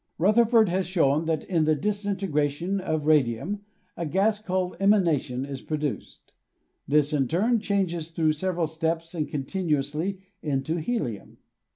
Rutherford has shown that in the disintegration of radium a gas, called emanation, is produced. This, in turn, changes through several steps and continuously into helium.